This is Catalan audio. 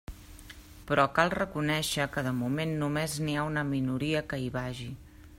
Però cal reconèixer que de moment només n'hi ha una minoria que hi vagi.